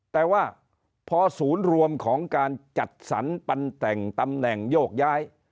แต่ว่าพอศูนย์รวมของการจัดสรรปันแต่งตำแหน่งโยกย้าย